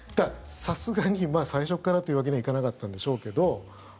さすがに最初からというわけにはいかなかったんでしょうけど。